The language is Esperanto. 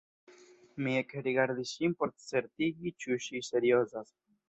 Mi ekrigardis ŝin por certigi ĉu ŝi seriozas.